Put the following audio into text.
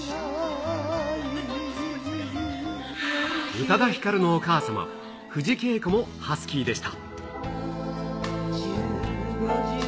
宇多田ヒカルのお母様、藤圭子もハスキーでした。